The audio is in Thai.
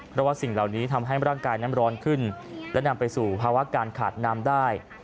เพราะว่าสิ่งเหล่านี้ทำให้ร่างกายนั้นร้อนขึ้นและนำไปสู่ภาวะการขาดน้ำได้